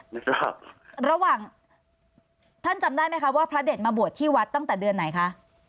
ไม่ทราบระหว่างท่านจำได้ไหมคะว่าพระเด็ดมาบวชที่วัดตั้งแต่เดือนไหนคะ